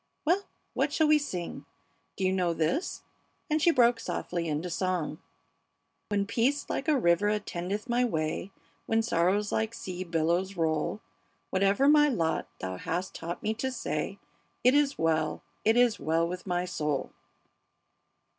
Well, what shall we sing? Do you know this?" And she broke softly into song: "When peace like a river attendeth my way; When sorrows like sea billows roll; Whatever my lot Thou hast taught me to say, It is well, it is well with my soul."